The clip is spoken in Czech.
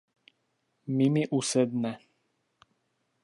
Mimi usedne.